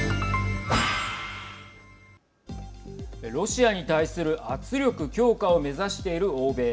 ロシアに対する圧力強化を目指している欧米。